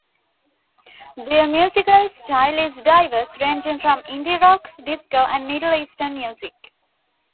Their musical style is diverse, ranging from indie rock, disco and Middle Eastern music.